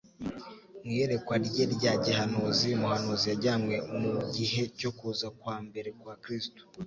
Mu iyerekwa rye rya gihanuzi, umuhanuzi yajyanywe mu gihe cyo kuza kwa mbere kwa Kristo;